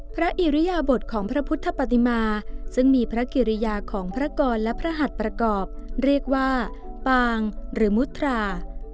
อิริยบทของพระพุทธปฏิมาซึ่งมีพระกิริยาของพระกรและพระหัสประกอบเรียกว่าปางหรือมุทรา